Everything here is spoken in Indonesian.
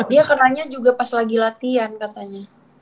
dia kenanya juga pas lagi latihan katanya